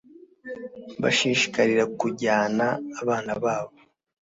bashishikarira kujyana abana babo